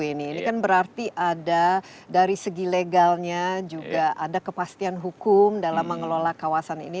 ini kan berarti ada dari segi legalnya juga ada kepastian hukum dalam mengelola kawasan ini